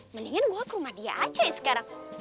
mendingan gue ke rumah dia aja ya sekarang